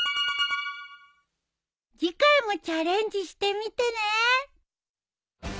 次回もチャレンジしてみてね。